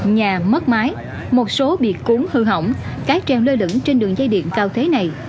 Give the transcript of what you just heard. nhà mất mái một số bịt cuốn hư hỏng cái treo lơ lửng trên đường dây điện cao thế này